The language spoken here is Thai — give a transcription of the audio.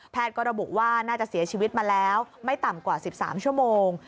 ก็ระบุว่าน่าจะเสียชีวิตมาแล้วไม่ต่ำกว่า๑๓ชั่วโมง